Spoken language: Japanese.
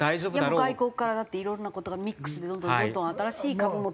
外国からだっていろんな事がミックスでどんどんどんどん新しい株も来てる。